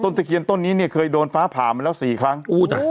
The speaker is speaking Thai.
ตะเคียนต้นนี้เนี่ยเคยโดนฟ้าผ่ามาแล้วสี่ครั้งอู้จ้ะ